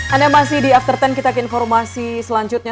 anda masih di after sepuluh kita ke informasi selanjutnya